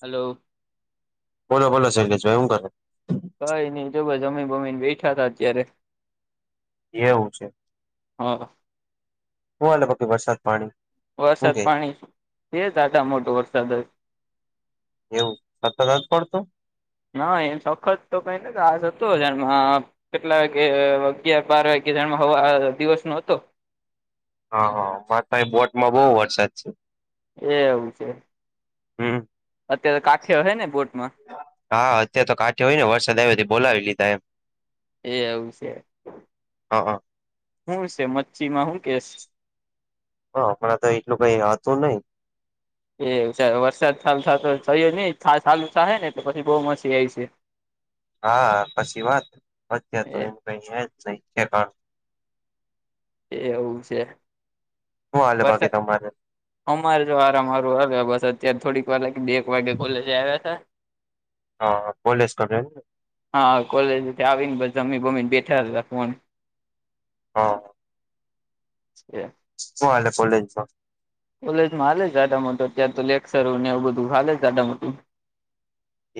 હાલો બોલો બોલો શૈલેષભાઈ હું કરે? કાઈ નઈ જો ભાઈ જમીન બમીને બેઠા હતા અત્યારે. એવું છે હા શું હલે પકી વરસાદ પાણી? હું વરસાદ કે પાણી એ ત આટા મોટો વરસાદ એવું સતત જ પડતું. ના એમ સખત તો કઈ આ જતું હારમાં. કેટલા વાગે અગિયાર બાર વાગ્યા જ હવા દિવસ નો હતો. હા હા મારે એ બોટમાં બહુ વરસાદ છે. એવું છે હમ અત્યારે કાઠે હ ને બોટમાં. હા અત્યારે તો કાંઠે હોય ને વરસાદ આવ્યોી બોલાવી લીધા એમ. એ એવું છે હા હા હું છે મચ્છીમાં હું કેશ? હ હમણાં તો એટલું કઈ હતું નઈ. એ વરસાદ થાલ થ તો થયો નહી થાલુ થાહે ને તો પછી બહુ માછી આવી છે. હા પછી વાત અતાર તો છે એ કઈ એજ નહી છે પણ. એવું છે. હું હાલે બાકી વરસાદ તમારે? અમારે જો આરામ વારું આવ્યા બસ અત્યારે થોડીક વાર લી બે એક વાગે કોલેજ આવ્યા હતા. હ કોલેજ કરે એમ! હા કોલેજ આવીને જમી બમીને બેઠા હતા ફોન હા એ શું હાલે કોલેજમાં? કોલેજ માં હાલે જ જાદ મોટો ત્યાં તો લેક્ચર ને એવું બધું હાલે જાદ મોટું.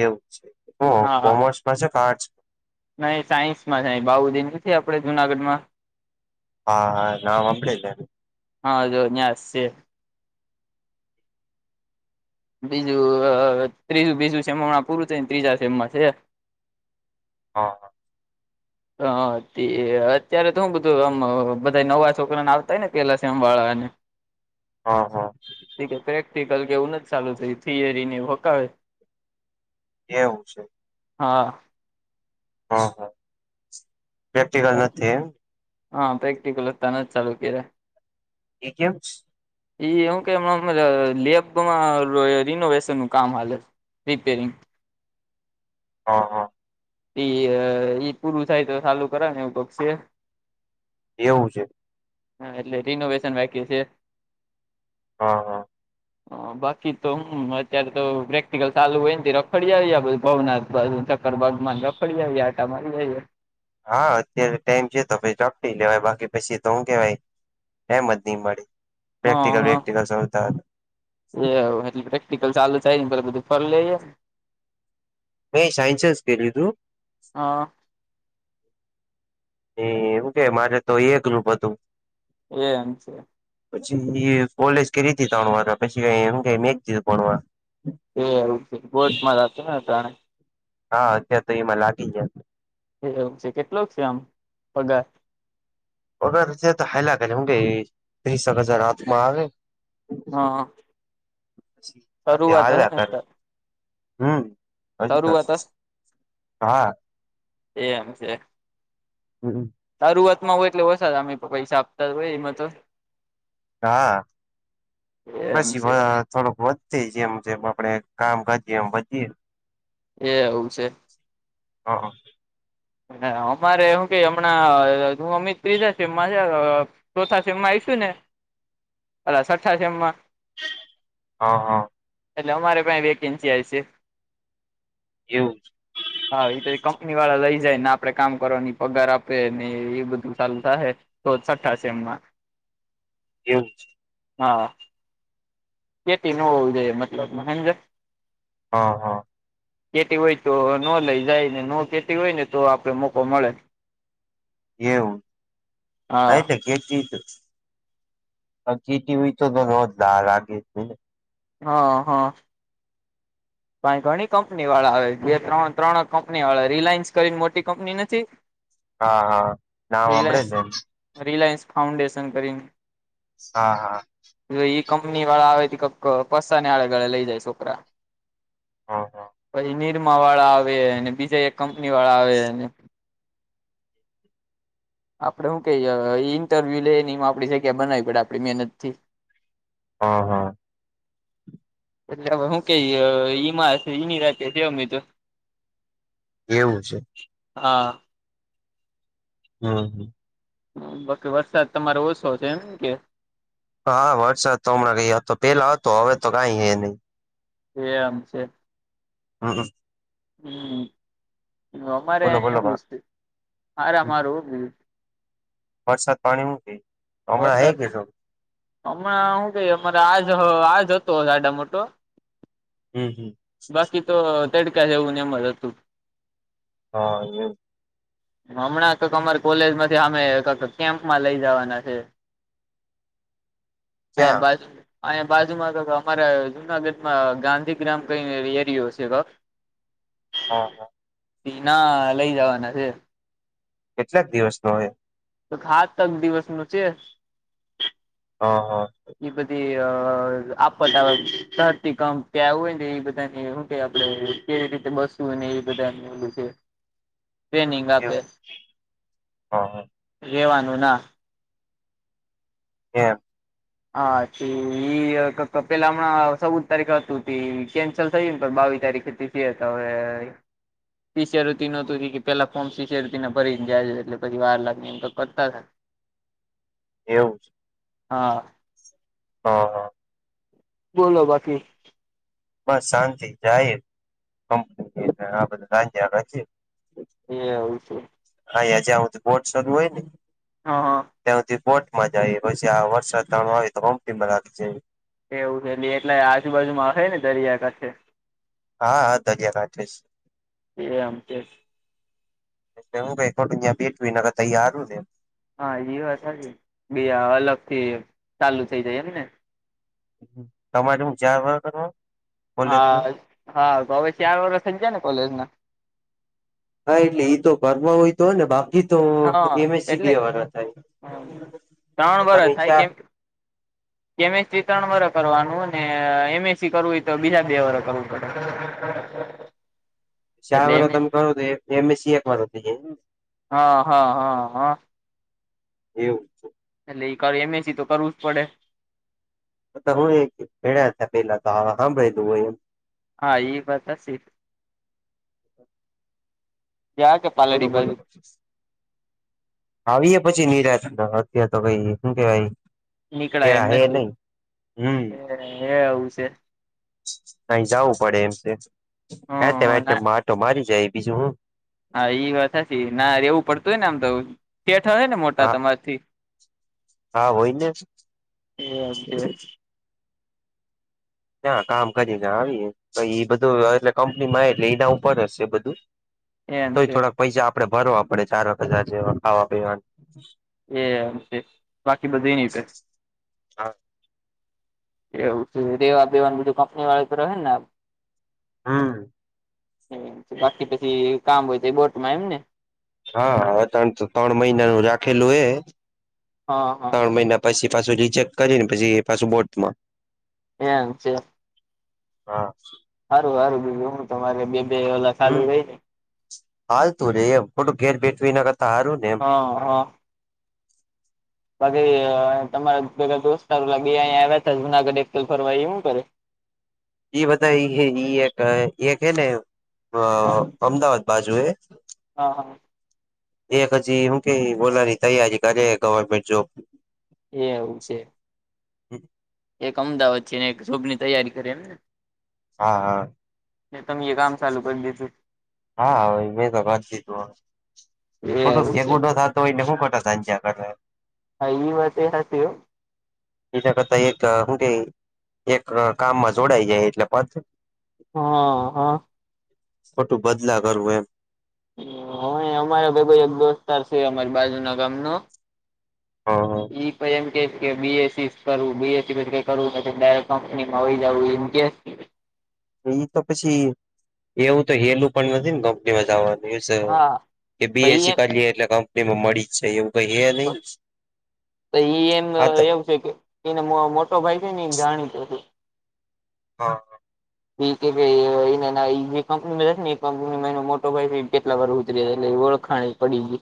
એવું છ હ હા કોમર્સપાસે આર્ટ નહી સાયન્સ માં થાય બાઉુદી નથી આપડે જુનાગઢ માં હા હા [unintelligible] હા તો છે. બીજું ત્રીજું બીજું સેમ પૂરું થને ત્રીજા સેમમાં છે. હા હ તે અત્યારે હું બધું‌ એમ બધા નવા છોકરાને આવતા હોય ને પેલા શેમ વાળાને હ હ. પ્રેક્ટિકલ કે એવું નથ ચાલુ થીયું થિયરી ને હકાવ એવું હા હ હ પ્રેક્ટિકલ નથી હા પ્રેક્ટિકલ તને જ ચાલુ કીરા એ કેમ એ હું કેમણા લેબમાં રિનોવેશન ન કામ હાલે છે રિપેરિંગ હ હ. ઈ ઈ પૂરું થાય તો ચાલુ કરાવ ને એવું પકક્ષી એવું છે હા એટલે રિનોવેશન બાકી છે હા હા. બાકી તો હુ અત્યારે તો પ્રેક્ટિકલ ચાલુ હોય નેથી રખડી આવીધ ભવના [unintelligible] તરબ માંદા ફડી જાયએ આટા મારી જઈએ હા અત્યારે ટાઈમ છે તો પછી ચપી લેવાય બાકી પછી તો હું કેવાય એમ જ નહી મળી હા પ્રેક્ટિકલ હા પ્રેક્ટિકલ એ એટ પ્રેક્ટિકલ ચાલુ થાય ને પે બધું ફરી લેને મેં સાયસન્સ કે લીધું હા. એ એવું કે મારે તો એકલું બધું એ પછી એ કોલેજ કે રી તણવા પછી ક એમ ક મે ભણવા એ એવું છે બોટમાં જતો ને જાણે હા અત્યારે તો એમાં લાગી જાય એવું છે કેટલોક છે આમ પગાર ઓગર હેલા હું કે ત્રીસક હજાર હાથમાં આવે હ હ. [unintelligible] શરૂઆત હોય ને ત. હમ્મ હજ ત. હા. એમ છે હમ્મ તારુઆતમાં હોય એટલે વછ અમે પૈસા આપતા હોય એમાં તો. હા એમ પશી બ છે થોડુંક વધતી જેમ જેમ આપડે કામ કરીએ એમ વધીએ એ એવું છે. હ હ. અમારે હું કે હમણાં હું અમિત ત્રીજા છે એમાં છે ચોથા શમમાં આવીશુ ને અ છઠ્ઠા સમમાં હા હા. હલો અમારે પા વેકેન્સી આવી છે. એવું જ, હા એ તો કંપની વાળા લઈ જાયને આપડે કામ કરવાની પગાર આપે ને એ બધું સારું થ તો છઠ્ઠા છે એમમાં એવુ છ. હા. કેટી ન એ મતલબ મહેન્દ્ર હા હા કેટી હોય તો ન લઈ જાય ને ન કેતી હોય ને તો આપડે મોકો મળે એવું હા આયથી કેટ જઇસુ કી ટીવી તો રોજ લારાગી હા હા અય ઘણી કંપની વાળા આવે બે ત્રણ ત્રણ કંપની વાળા રિલાયન્સ કરીને મોટી કંપની નથી. હા હા નામ આભળે રિલાયન્સ છે એમ રિલાયન્સ ફાઉન્ડેશન કરીને હા હા જો ઈ કંપની વાળા આવે કક પસ્તા ને આડે ગાળે લઈ જાય છોકરા હા હા પછી નિરમા વાળા આવેને બીજુ એક કંપની વાળા આવે આપડે હું કઈ ઇન્ટરવ્યુ લે ને એ આપણી જગ્યા બનાવી પડે આપડી મહેનત થી હા હા એટલેવે હું કે ઈમા ની રાતે જે અમેતો એવું છે. હા હમ હ બાકી વરસાદ તમારો ઓછો છે એમ કે હા વરસાદ તો હમણાં ક હતો પેલા હતો હવે તો કઈ હે નહિ એમ છે. હા હમ હ અમારે બોલો એ બોલો એવુ બા. તે અરામ હમ. આરુ વરસાદ પાણી મૂકી હમણાં હઈ વરસાદ ગ છેો. હમણાં શું કઈ અમારે આજ આજ હતો આવડો મોટો હમ હમ. બાકી તો તડકા જેવું નેમ જ હતું. હા એમ હમણાં ક અમારે કોલેજ માંથી અમે ક કેમ્પમાં લઈ જવાના છે. અને ક્યાં બસ અને બાજુમાં ક અમારા જુનાગઢમાં ગાંધીગ્રામ કઈ એરિયો છે ક-' હા હા ઇના લઈ જવાના છે. કેટલાક દિવસ નો હોય. તો હા તક દિવસ નું છે. હા હા એ બધી આપતા ઘરતી કામ ક્યાું હોય ને એ બધાને શું ક આપડે કેવી રીતે બસવું અને એ બધા એલું છે. ટ્રેનિંગ એવું. આપે હા રેવાનું ના એમ હાચુ પેલા હમણાં ચૌદ તારીખ હતું તે કેન્સલ થયું ને તો બાવી તારીખ હતી. [unintelligible] અવે શિષ્ય ઋુ નું હતું કે પેલા ફોર્મ શિષ્ય ઋુ ને ભરીને જાયજ એટલે પછી વાર લાગને એમ તો કરતા એવું છે. હા હાં. બોલો બાકી બસ શાંતિ જાય કંપની આ બધા રા્યા રચે એ હું છે. હાં જ આવ બોટ શું હોય ને હ હ ત્યાં કોટમાં જાય પછી આ વરસાદ તાણું આવે તોમ્પી એવું છે. ની એટલે આજુબાજુમાં અહે ને દરિયાકાંઠે! હા હા દરિયાકાંઠે છે. એમ છે એટલે હું [unintelligible] ને તૈયારું નેમ હા એ વાત સાચ્ચી બે અલગ થી ચાલુ થઇ જાય એમ ને! તમારે હું ચાર વરહ કરવાનું! હા હા તો હવે ચાર વારષ થઈ જાય ને કોલેજ ના. હા એટલે એ તો કરવા હોય તો હોય ને બા એ તો હા એમએસસી બે એટલે વરસ થાય ત્રણ તમે થાય ચાર કેમ [inaudible] બી. એસ. સીત્રણ વર્ષ કરવાનું એમ. એસ. સી કરવું હોય તો બીજા બે વર્ષ કરવું પડે. [unintelligible] ચાર એટલે એમ વર્ષ તમે કરો તો એમ એસી એક વર્ષ થાય જાય. હ હ હ હ. એવું એટલે એ એમએસી તો કરવું જ પડે. હું ભે હતા પેલા તો હ હા ભાઈ દું હોય એમ. હા એ વાત હાચી. બોલો પાલડી બોલો બાજુ પસ [unintelligible] આવીએ પછી નિરા અત્યારેાર તો કઈ શું કેવાય કે નીકળાય એમ હ નથી નહી. હમ્મ. એ એવું છે. અહી જવું પડે એમ છે હ હતે હ વા ના માટ મારી જાય બીજું હું. હા એ વાત હાચી ના રેવું પડતું હોય ને આમ તો શેઠ હશે ને મોટા હા તમારા થી. હા હોય ને. એમ છે ના કામ કરીને આવી તો બધું એટલે કંપની માં એટલે એના ઉપર જ છે બધું. એમ તોય છે થોડાક પૈસા આપડે ભરવા પડે ચાર હજાર જેવા ખાવા પીવા ના. એમ છે બાકી બધું એની એવું છે રેવા બેેવાન બીજું કંપની વાળ તો રહે ને. હમ્મ. એ બાકી પછી કામ હોય તો એ બોટમાં એમ ને. હા હવે તણ ત્રણ મહિનાનું રાખેલું એ હા હા ત્રણ મહિના પછી પાછું રિજેક્ટ કરીને પછી પાછું બોટમાં. એમ છે. હા. સારું સારું બીજું હું તમારે બે બે વાલા ચાલુ રહી ને હાલ તું ને એમ ખોટું ઘેર બેઠું એ ના કરતા હારું ને. એમ હા હા. બાકી તમારા બધા દોસ્તાર લાગીયા આવ્યા ત જુનાગઢ એકલ ફરવા એ હું કરે? ઈ બધા એક એક હે ને હા અમદાવાદ બાજુ એ હા. એક હજી હું કે બોલાની તૈયારી કરે ગવર્મેન્ટ જોબ. એ એવું છે. એક અમદાવાદ છે ને એક જોબની તૈયારી કરે એમને. હા હા. એટલે તો મેં કામ ચાલુ કરી દેસુ. હા એને તો વાતીધું ખોટું એવું છે [unintelligible] ખાધ તો એને હું કટ સાંજ્યા. [unintelligible] હ વાતે હસું. એના કરતા એક શું કે એક કામમાં જોડાઈ જાય એટલે પથ [unintelligible] હ અ. ખોટું બદલા કરવું એમ. હ અમારા બી એક દોસ્તાર છે અમારી બાજુ ના ગામ નો હા ઈ તો એમ કેય છે કે બી એસ સી કરવું બી એસ સી કઈ કરવું ડાયરેકટ કંપનીમાં વહી જાવું ઈન કે ઈ તો પછી એવું તો હેલું પણ નથી ને કંપનીમાં જાવાનું. એ હા કે બી એસ પહી સી એમ કર્યે એટલે કંપની માં મળી જ જાય એવું કઈ હે ની. તો ઈ એમ એવું છે કે એને મોટો ભાઈ છે ને એમ જાણીતો હતું. હા. ઈ કે છે એ જે કંપનીમાં છે એ કંપનીમાં એનો મોટો ભાઈ છે કેટલા વર્ષ હુધી રેય એટલે ઓળખાણ પડી.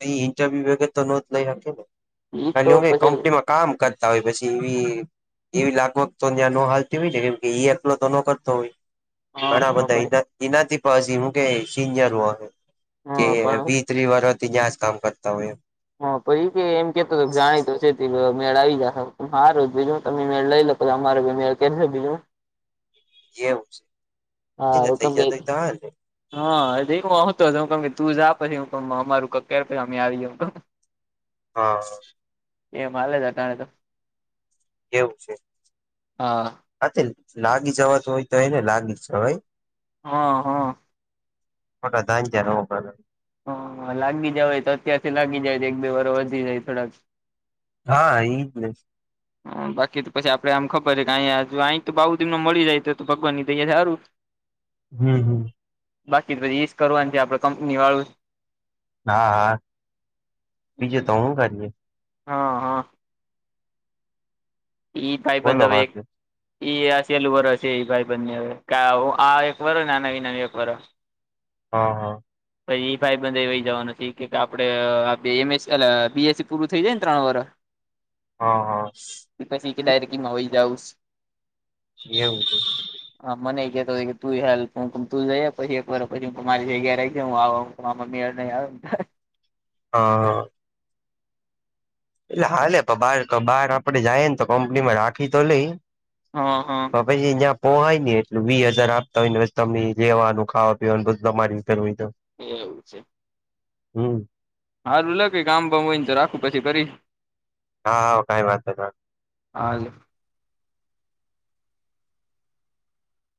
હા ઈ ઇન્ટરવ્યુ વગર તો નો જ લઈ હકે ને ઈ ત્યાં તો નો પછી કંપનીમાં કામ કરતા હોય પછી ઈ એવી લાગવગ તો ત્યાં નો હાલતી હોય ને કેમ ઈ એપલો તો ન કરતા હોય. ઘણા હા ભાઈ બધા એનાથી પિજા નું હું કે સિનિયર કે હા પણ ત્રીવરસ થી તયાં જ કામ કરતા હોય. હા પછી કે એમ કેતો જાણીતો છે મેળ આવી જાહે હારુ જેહું તમે મેળ લઈ લો. પણ અમારે ગમો કેમ છે બીજું? એવું છે. હા એને થઈ હુકમ દે. જતો હોય તો હાલે હા એવું આવતો છું હું કેમ કે તું જા પછી અમે અમારું કકર પછી અમે આવી જશું. હા. એ માલે બતાયા તા એવું છે. હા હા તે લાગી જવા તો હોય તોને લાગી જ જવાય હા હા. મોટા ધાન ધયા નો પડે. હા લાગી જવાય હોય તો અત્યારથી લાગી જાય તો એક બે વરસ હુધી રેય થોડાક હા ઈ જ ને. હા બાકી તો પછી આપડે આમ ખબરે હોય કે આય તો બા હુધી તને મળી જાય તો ભગવાન ની તૈ સારું. હમમ હમમ. બાકી તો ઈ જ કરવાનું છે આપડે કંપની વાળું જ હા હા બીજુ તો હું કરીએ. હા હા. ઈ ભાઈબધ બોલો અવે બાકી ઈ આ છેલું વરસ છે ઈ ભાઈબધ ને હવે આ એક વરસ ને એનું એક વરસ. હા હા. પછી ઈ ભાઈબંધ એય વહી જવાનો છે ઈ કેય કે આપડે એમ સ એ બી એસ સી પૂરું થઈ જાય ને ત્રણ વરસ. હા હા. [unintelligible] સીટી ડાયરેક્ટ એમાં વહી જાવુંસ. એવું છે. હા મને ઈ કેહેતો હોય કે તું યે હાલ હા તું જઈ પછી એક વાર પછી મારી જગ્યા રાખજે હું આવવા. પણ આપડો મેડ નય આવે ને. હા હા. એટલે હાલે પણ બાર બહાર આપડે જઈએ ને તો કંપની માં રાખી તો લેય. હા, હા. તો પછી જ્યાં પોહાય ને એટલે વીહ હજાર આપતા હોય ને [unintelligible] જેવાનું, ખાવાનું, પીવાનું બધું તમારી રીતે હોય તો એવું છે. હમમ. હાલું લખે કામ બામ હોય ને તો રાખું પછી ફરી હા હા કાય વાંધો નય. હા.